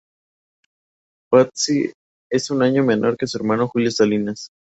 Patxi es un año menor que su hermano Julio Salinas.